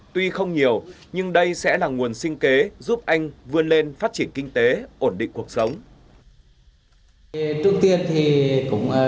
tuy không nhiều nhưng đây sẽ là nguồn sinh kế giúp anh vươn lên phát triển kinh tế ổn định cuộc sống